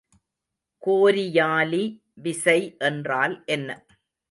கோரியாலி விசை என்றால் என்ன?